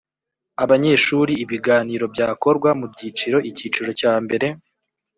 abanyeshuri Ibiganiro byakorwa mu byiciro Icyiciro cya mbere